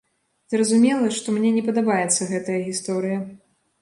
Зразумела, што мне не падабаецца гэтая гісторыя.